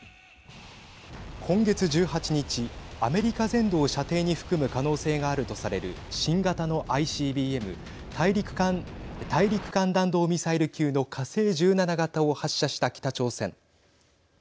今月１８日アメリカ全土を射程に含む可能性があるとされる新型のＩＣＢＭ＝大陸間弾道ミサイル級の火星１７型を発射した北朝鮮。